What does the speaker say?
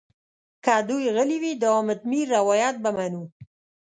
که دوی غلي وي د حامد میر روایت به منو.